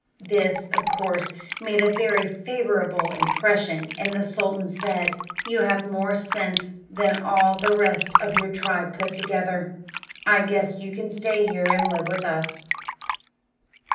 This, of course, made a very favorable impression, and the sultan said, "You have more sense than all the rest of your tribe put together; I guess you can stay here and live with us."